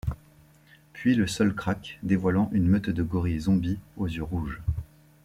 Puis le sol craque, dévoilant une meute de gorilles zombies aux yeux rouges.